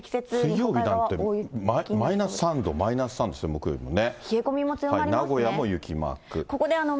水曜日なんて、マイナス３度、マイナス３度ですよ、木曜日もね。